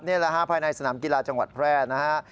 นี่แหละฮะภายในสนามกีฬาจังหวัดแพร่นะฮะ